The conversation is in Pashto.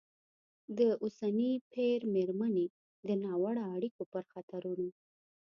د اوسني پېر مېرمنې د ناوړه اړیکو پر خطرونو